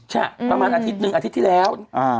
ใช่ประมาณอาทิตย์หนึ่งอาทิตย์ที่แล้ว